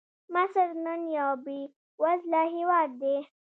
مصر نن یو بېوزله هېواد دی.